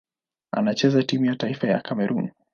Anachezea timu ya taifa ya Kamerun.